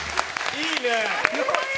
いいね。